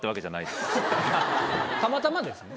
たまたまですね。